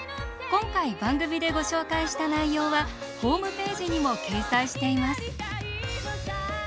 今回番組でご紹介した内容はホームページにも掲載しています。